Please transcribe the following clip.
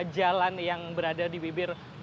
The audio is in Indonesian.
jalan yang berada di bibir